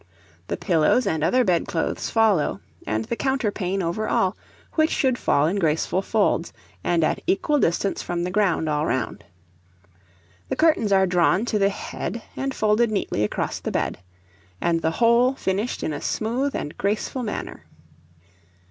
The pillows and other bedclothes follow, and the counterpane over all, which should fall in graceful folds, and at equal distance from the ground all round. The curtains are drawn to the head and folded neatly across the bed, and the whole finished in a smooth and graceful manner.